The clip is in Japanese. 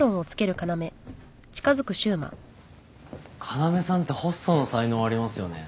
要さんってホストの才能ありますよね。